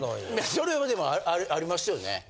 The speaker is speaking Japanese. それはでもありますよね。